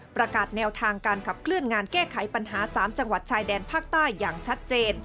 ประกาศแนวทางการขับเคลื่อนงานแก้ไขปัญหา๓จังหวัดชายแดนภาคใต้อย่างชัดเจน